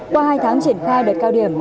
qua hai tháng triển khai đợt cao điểm